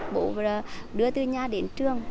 bố đưa từ nhà đến trường